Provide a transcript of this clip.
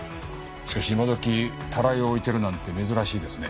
しかし今時たらいを置いてるなんて珍しいですね。